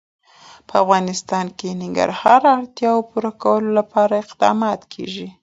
په افغانستان کې د ننګرهار د اړتیاوو پوره کولو لپاره اقدامات کېږي.